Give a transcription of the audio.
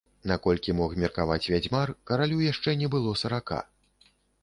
Наколькі мог меркаваць вядзьмар, каралю яшчэ не было сарака.